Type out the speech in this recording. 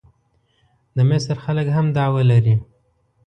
د مصر خلک هم دعوه لري.